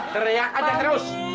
teriak aja terus